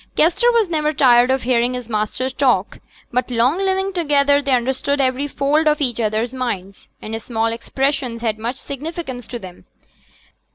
Kester was never tired of hearing his master talk; by long living together they understood every fold of each other's minds, and small expressions had much significance to them.